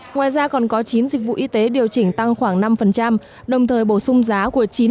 ngoài ra còn có chín dịch vụ y tế điều chỉnh tăng khoảng năm đồng thời bổ sung giá của chín mươi